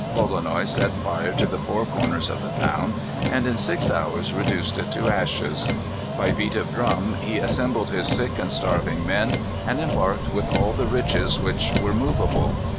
Lolonois set fire to the four corners of the town, and in six hours reduced it to ashes. By beat of drum he assembled his sick and starving men, and embarked, with all the riches which were movable.